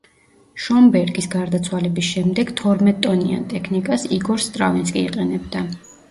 შონბერგის გარდაცვალების შემდეგ თორმეტტონიან ტექნიკას იგორ სტრავინსკი იყენებდა.